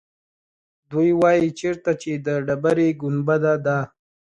دوی وایيچېرته چې د ډبرې ګنبده ده.